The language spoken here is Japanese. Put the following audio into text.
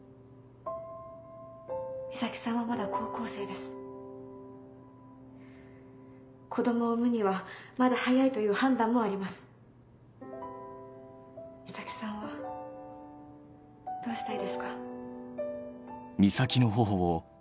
・岬さんはまだ高校生です・・子供を産むにはまだ早いという判断もあります・・岬さんはどうしたいですか？